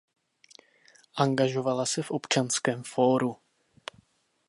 Angažovala se v Občanském fóru.